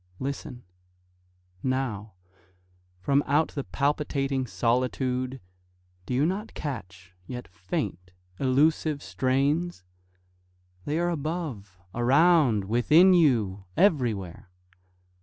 Listen! Now, From out the palpitating solitude Do you not catch, yet faint, elusive strains? They are above, around, within you, everywhere.